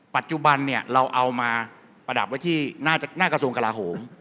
ปัจจุบันเนี่ยเราเอามาประดับไว้ที่หน้ากระทรวงกลาโหม